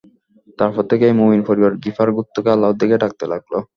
তারপর থেকে এই মুমিন পরিবার গিফার গোত্রকে আল্লাহর দিকে ডাকতে লাগল।